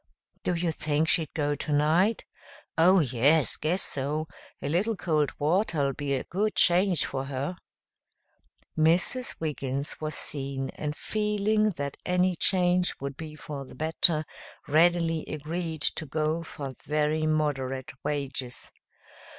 "Do you think she'd go tonight?" "Oh, yes! Guess so. A little cold water'll be a good change for her." Mrs. Wiggins was seen, and feeling that any change would be for the better, readily agreed to go for very moderate wages.